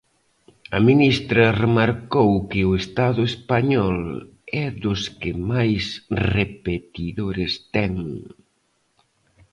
A ministra remarcou que o Estado español é dos que máis repetidores ten.